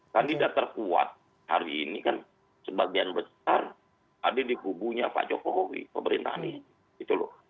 kandidat terkuat hari ini kan sebagian besar ada di hubungnya pak jokowi pemerintah ini